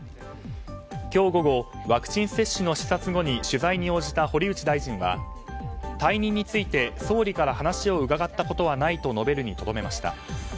今日午後ワクチン接種の視察後に取材に応じた堀内大臣は退任について総理から話を伺ったことはないと述べるにとどめました。